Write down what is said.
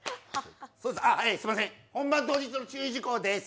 あっ、すいません、本番当日の注意事項です。